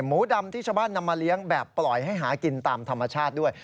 หมูดำที่ชาวบ้านนำมาเลี้ยงแบบปล่อยให้หากินตามธรรมชาติด้วย